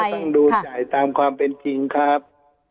อันนี้เราต้องดูจ่ายตามความเป็นจริงครับ